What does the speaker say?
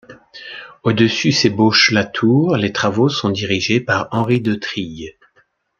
Au dessus s’ébauche la tour: les travaux sont dirigés par Henri Detrille.